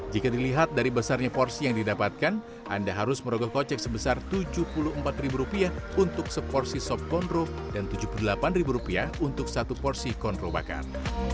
jika dilihat dari besarnya porsi yang didapatkan anda harus merogoh kocek sebesar rp tujuh puluh empat untuk seporsi sop kondro dan rp tujuh puluh delapan untuk satu porsi kontrol bakar